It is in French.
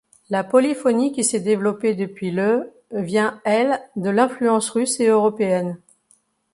La polyphonie qui s'est développée depuis le vient, elle, de l'influence russe et européenne.